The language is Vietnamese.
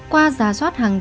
qua gia sông bến xe phía nam